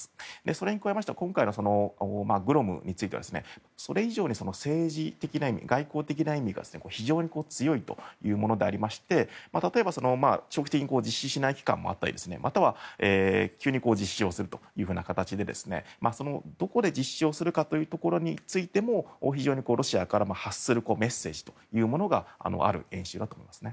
それに加えて今回のグロムについてはそれ以上に政治的な意味、外交的な意味が非常に強いというものでありまして例えば、長期的に実施しない期間もあったりまたは急に実施するという形でどこで実施をするかということについても非常にロシアからも発するメッセージがある演習だと思います。